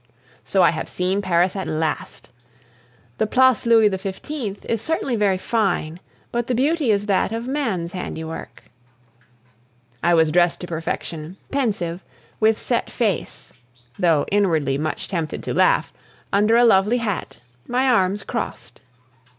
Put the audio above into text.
So I have seen Paris at last! The Place Louis XV. is certainly very fine, but the beauty is that of man's handiwork. I was dressed to perfection, pensive, with set face (though inwardly much tempted to laugh), under a lovely hat, my arms crossed.